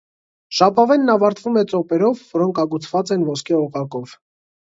Ժապավենն ավարտվում է ծոպերով, որոնք ագուցված են ոսկե օղակով։